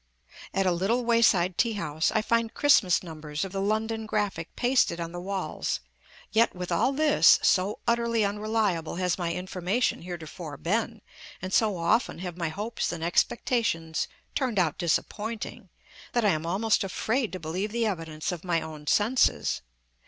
At a little way side tea house, I find Christmas numbers of the London Graphic pasted on the walls; yet with all this, so utterly unreliable has my information heretofore been, and so often have my hopes and expectations turned out disappointing, that I am almost afraid to believe the evidence of my own senses.